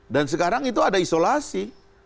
dan sekarang itu ada isolasi